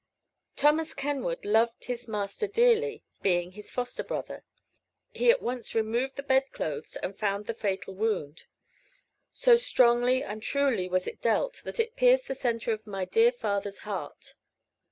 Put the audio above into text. Thomas Kenwood loved his master dearly, being his foster brother. He at once removed the bedclothes, and found the fatal wound. So strongly and truly was it dealt, that it pierced the centre of my dear father's heart.